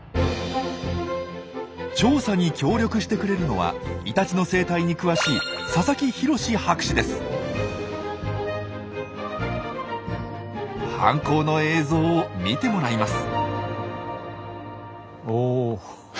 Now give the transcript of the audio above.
調査に協力してくれるのはイタチの生態に詳しい犯行の映像を見てもらいます。